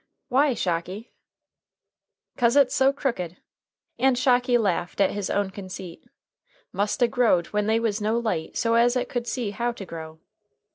"Why, Shocky?" "'Cause it's so crooked," and Shocky laughed at his own conceit; "must a growed when they was no light so as it could see how to grow."